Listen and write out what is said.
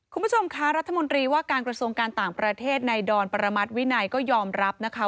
คุณผู้ชมคะรัฐมนตรีว่าการกระทรวงการต่างประเทศในดอนประมัติวินัยก็ยอมรับนะคะ